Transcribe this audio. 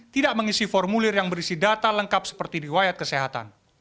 tidak mengisi formulir yang berisi data lengkap seperti di wayat kesehatan